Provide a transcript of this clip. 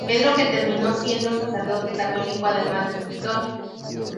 Pedro que terminó siendo sacerdote católico además de escritor.